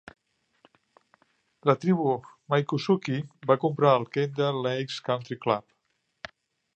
La tribu Miccosukee va comprar el Kendale Lakes Country Club.